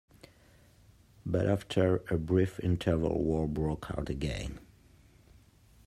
But after a brief interval war broke out again.